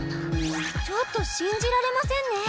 ちょっと信じられませんね。